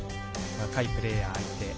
若いプレーヤー相手。